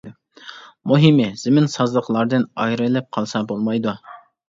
مۇھىمى زېمىن سازلىقلاردىن ئايرىلىپ قالسا بولمايدۇ.